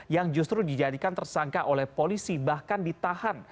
yang justru dijadikan tersangka oleh polisi bahkan ditahan